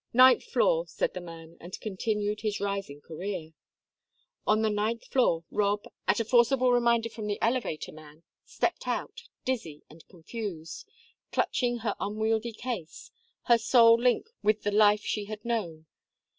"Ninth floor," said the man, and continued his rising career. On the ninth floor Rob, at a forcible reminder from the elevator man, stepped out, dizzy and confused, clutching her unwieldy case, her sole link with the life she had known.